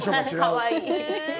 かわいい。